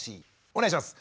お願いします！